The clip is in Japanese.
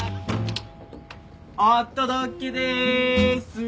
お届けでーす！